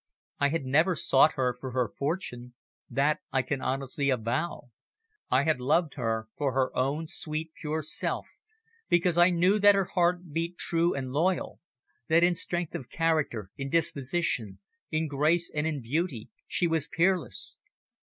I had never sought her for her fortune, that I can honestly avow. I had loved her for her own sweet, pure self, because I knew that her heart beat true and loyal; that in strength of character, in disposition, in grace and in beauty she was peerless.